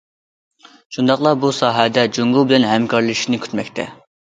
شۇنداقلا بۇ ساھەدە جۇڭگو بىلەن ھەمكارلىشىشنى كۈتمەكتە.